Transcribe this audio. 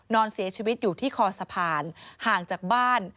นอนเสียชีวิตอยู่ที่คอสะพานห่างจากบ้าน